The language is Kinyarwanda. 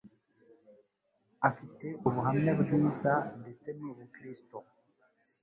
afite ubuhamya bwiza ndetse n'ubukristo